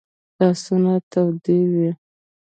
لاسونه تودې وي